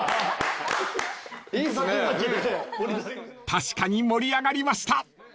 ［確かに盛り上がりました］